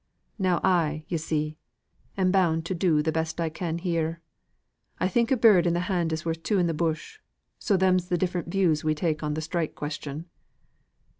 Now I, yo see, am bound to do the best I can here. I think a bird i' th' hand is worth two i' th' bush. So them's the different views we take on th' strike question."